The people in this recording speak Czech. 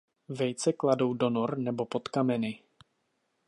Vejce kladou do nor nebo pod kameny.